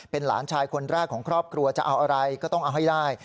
เป็นหลานชายคนแรกของครอบครัวจะเอาอะไรก็ต้องเอาให้ได้